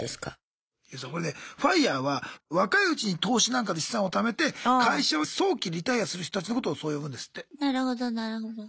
これねＦＩＲＥは若いうちに投資なんかで資産を貯めて会社を早期リタイアする人たちのことをそう呼ぶんですって。